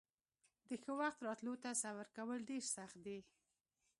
د ښه وخت راتلو ته صبر کول ډېر سخت دي.